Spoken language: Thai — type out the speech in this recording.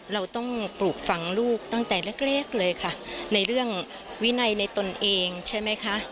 เราต้องปลูกฝังลูกตั้งแต่เล็กเลยค่ะในเรื่องวินัยในตนเองใช่ไหมคะ